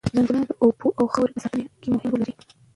ځنګلونه د اوبو او خاورې په ساتنه کې مهم رول لري.